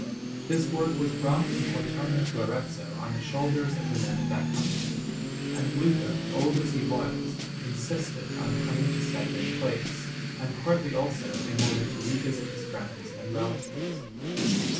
This work was brought from Cortona to Arezzo on the shoulders of the men of that Company; and Luca, old as he was, insisted on coming to set it in place, and partly also in order to revisit his friends and relatives.